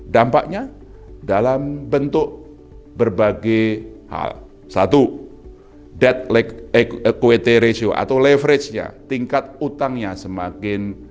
dampaknya dalam bentuk berbagai hal satu dead equity ratio atau leverage nya tingkat utangnya semakin